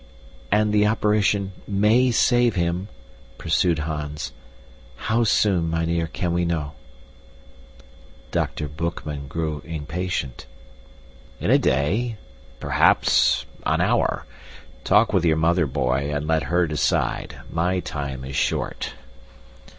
"And the operation MAY save him," pursued Hans. "How soon, mynheer, can we know?" Dr. Boekman grew impatient. "In a day, perhaps, an hour. Talk with your mother, boy, and let her decide. My time is short."